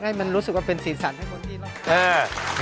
ให้มันรู้สึกว่าเป็นศีรษรให้คนที่รัก